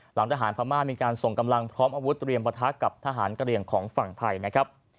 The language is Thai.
หลังทหารพม่ามีการส่งกำลังพร้อมอาวุธเตรียมประทะกับทหารกระเหลี่ยงของฝั่งไทยนะครับ